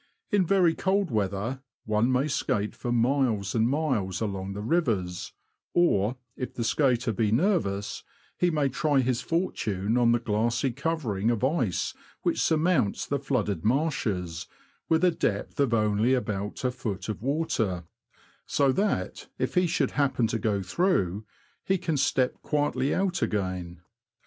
In very cold weather, one may skate for miles and miles along the rivers ; or, if the skater be nervous, he may try his fortune on the glassy covering of ice which surmounts the flooded marshes, with a depth of only about a foot of water ; so that, if he should happen to go through, he can step quietly out again.